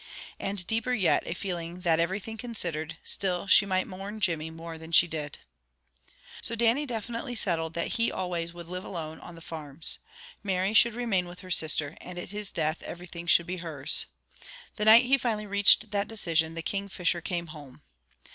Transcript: And deeper yet a feeling that, everything considered, still she might mourn Jimmy more than she did. So Dannie definitely settled that he always would live alone on the farms. Mary should remain with her sister, and at his death, everything should be hers. The night he finally reached that decision, the Kingfisher came home.